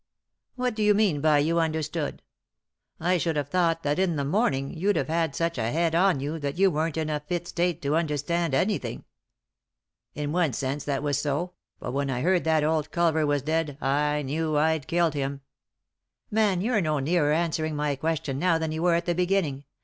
" What do you mean by you understood ? I should have thought that in the morning you'd have had such a head on you that you weren't in a fit state to understand anything." " In one sense that was so ; but when I heard that old Culver was dead I knew I'd killed him." "Man, you're no nearer answering my question now than you were at the beginning.